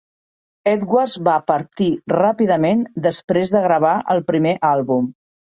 Edwards va partir ràpidament després de gravar el primer àlbum.